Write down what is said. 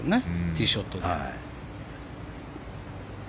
ティーショットで。